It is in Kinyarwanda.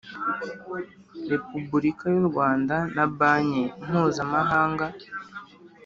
Repubulika y u Rwanda na Banki Mpuzamahanga